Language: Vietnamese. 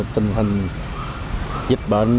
tình hình dịch bệnh